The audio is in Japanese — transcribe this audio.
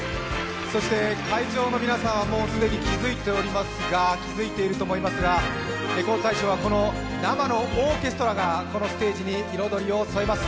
会場の皆さんはもう既に気づいていると思いますが、「レコード大賞」は生のオーケストラがこのステージに彩りを添えます。